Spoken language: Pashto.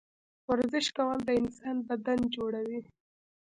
ورزش کول د انسان بدن جوړوي